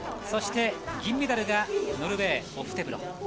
そして銀メダルがノルウェー、オフテブロ。